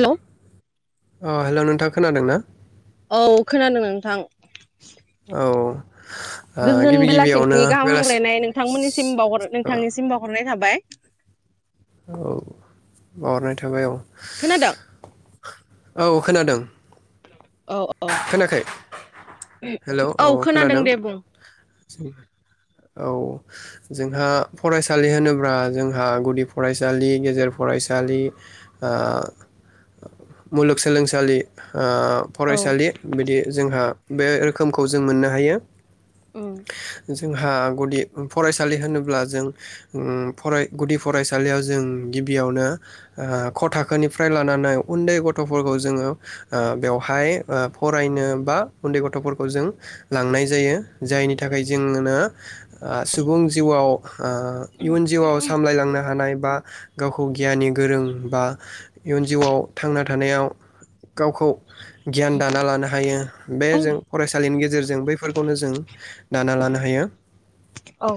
Hello अ hello नोंथाङा खोनादों ना? औ खोनादों नोंथां। औ ओ गोजोन गिबि गिबियावनो बेलासिनि गाहाम बेलासि हामग्लायनाय नोंथांमोननिसिम अ नोंथांनिसिम बावहरनाय थाबाय। औ बावहरनाय थाबाय औ, खोनादों औ खोनादों। औ खोनाखै हेलौ औ खोनादों औ जोंहा फरायसालि होनोब्ला जोंहा गुदि फरायसालि गेजेर फरायसालि ओ मुलुगसोलोंसालि ओ औ फरायसालि बिदि जोंहा बे रोखोमखौ जों मोननो हायो उम जोंहा गुदि फरायसालि होनोब्ला जों फ गुदि फरायसालियाव जों गिबियावनो ख' थाखोनिफ्राय लानानै उन्दै गथ'फोरखौ जोङो बेव हाय ओ फरायनो बा उन्दै गथ'फोरखौ जों लांनाय जायो जायनि थाखाय जोङोना ओ सुबुं जिउआव ओ इयुन जिउआव सामलायलांनो हानाय बा गावखौ गियाननि गोरों बा इयुन जिउआव थांना थानायाव गावखौ गियान दाना लानो हायो बे जों फरायसालिनि गेजेरजों बैफोरखौनो जों दाना लानो हायो औ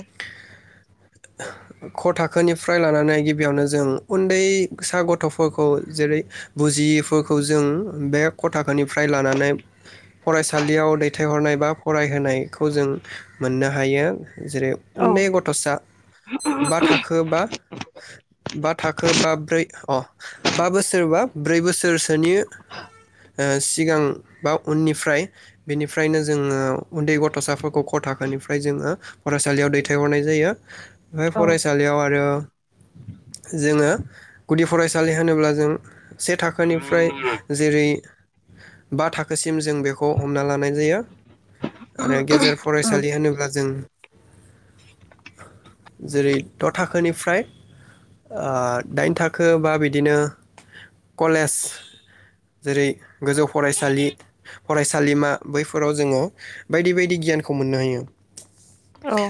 ख' थाखोनिफ्राय लानानै गिबियावनो जों उन्दैसा गथ'फोरखौ जेरै बुजियैफोरखौ जों बे ख थाखोनिफ्राय लानानै फरायसालियाव दैथायहरनाय बा फरायहोनायखौ जों मोननो हायो जेरै औ उन्दै गथ'सा बा थाखो बा बा थाखो बा ब्रै अ बा बोसोरबा ब्रै बोसोरसोनि सिगां बा उननिफ्राय बेनिफ्रायनो जोङो उन्दै गथ'साफोरखौ ग' थाखोनिफ्राय जोङो फरायसालियाव दैथायहरनाय जायो बे फरायसालियाव आरो जोङो गुदि फरायसालि होनोब्ला जों से थाखोनिफ्राय जेरै बा थाखोसिम जों बेखौ हमना लानाय जायो आरो गेजेर औ फरायसालि होनोब्ला जों जेरै द' थाखोनिफ्राय ओ दाइन थाखो बा बिदिनो कलेज जेरै गोजौ फरायसालि फरायसालिमा बैफोराव जोङो बायदि बायदि गियानखौ मोननो हायो औ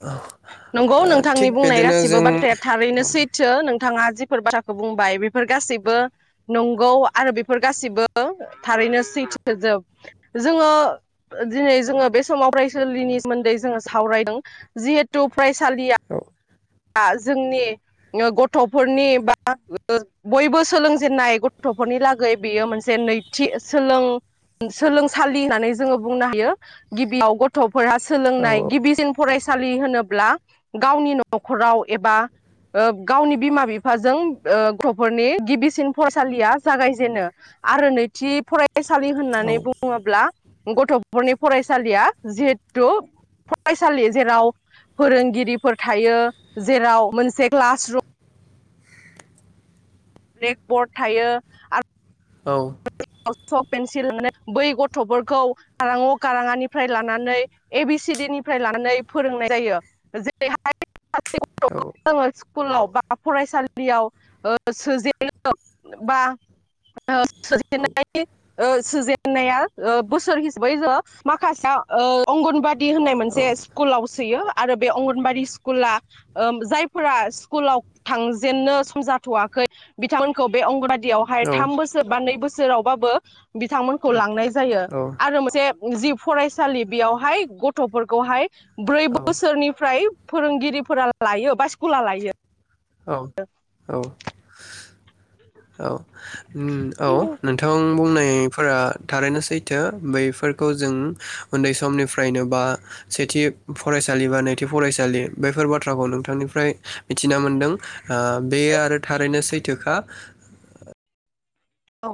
औ नंगौ नोंथांनि बुंनाय गासिबो बाथ्राया थारैनो सैथो नोंथाङा जिफोर बाथ्रा बुंबाय बेफोर गासैबो नंगौ आरो बेफोर गासैबो थारैनो सैथोजोब जोङो दिनै जोङो बे समाव फरायसालिनि सोन्दै जोङो सावरायदों जि टु फ्राइभ सालिया जोंनि गथ'फोरनि बा बयबो सोलोंजेननाय गथ'फोरनि लागै बेयो मोनसे नैथि सोलों सोलोंसालि होननानै जोङो बुंनो हायो गिबियाव गथ' फोरहा औ सोलोंनाय गिबिसिन फराय सालि होनोब्ला गावनि न' न'खराव एबा ओ गावनि बिमा बिफाजों ओ गथ'फोरनि गिबिसिन फरायसालिया जागायजेनो आरो नैथि फराय फरायसालि औ होननानै बुङोब्ला गथ'फोरनि फरायसालिया जिहेथु फरायसालि जेराव फोरोंगिरिफोर थायो जेराव मोनसे क्लास रुम ब्लेकबर्ड थायो आरो औ सक पेन्सिल होननानै बै गथ'फोरखौ गाराङव काराङानिफ्राय लानानै ए बि सि डि निफ्राय लानानै फोरोंनाय जायो जेरैहाय सासे गथखौ औ जोंङो स्कुलाव बा फरायसालियाव ओ सोजेनो बा ओ [unintelligible] ओ सोजेननाया ओ बोसोर हिसाबै जो माखासे अंगनबादि दि होननाय औ मोनसे स्कुलाव सोयो। आरो बे अंगनबादि स्कुला ओ जायफोरा स्कुलाव थांजेननो समजाथ'वाखै बिथांमोनखौ बे अंगनबादि यावहाय थाम बोसोर बा नै बोसो रावबाबो बिथांमोनखौ लांनाय जायो औ आरो मोनसे जि फरायसालि बेयावहाय गथ'फोरखौहाय ब्रै बोसोरनिफ्राय फोरोंगिरिफोरा लायो बा स्कुला लायो। औ औ। औ औ नोंथां बुंनाय नाय फोरा थारैनो सैथो बैफोरखौ जों उन्दै समनिफ्रायनो बा सेथि फरायसालि बा नैथि फरायसालि बैफोर बाथ्राखौ नोंथांनिफ्राय मिथिना मोनदों बे आरो थारैनो सैथोखा। औ।